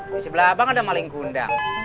di sebelah abang ada maling kundang